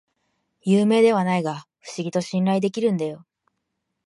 有名ではないが不思議と信頼できるんだよ